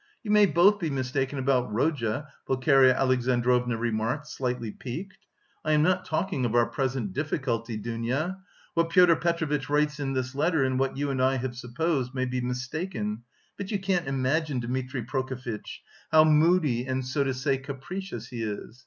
"You may both be mistaken about Rodya," Pulcheria Alexandrovna remarked, slightly piqued. "I am not talking of our present difficulty, Dounia. What Pyotr Petrovitch writes in this letter and what you and I have supposed may be mistaken, but you can't imagine, Dmitri Prokofitch, how moody and, so to say, capricious he is.